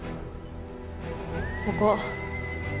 そこ。